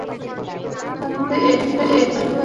লোখান্দে, এই দুটি নাম লেখ।